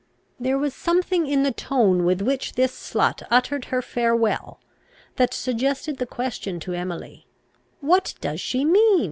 There was something in the tone with which this slut uttered her farewell, that suggested the question to Emily, "What does she mean?